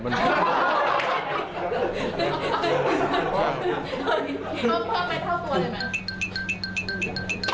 เพิ่มไปเท่าตัวเห็นไหม